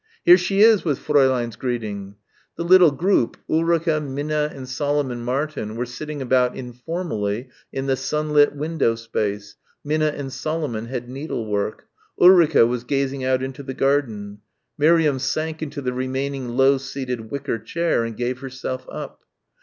"Here she is," was Fräulein's greeting. The little group Ulrica, Minna and Solomon Martin were sitting about informally in the sunlit window space, Minna and Solomon had needlework Ulrica was gazing out into the garden. Miriam sank into the remaining low seated wicker chair and gave herself up.